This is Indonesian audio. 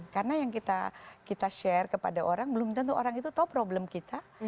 karena yang kita share kepada orang belum tentu orang itu tahu problem kita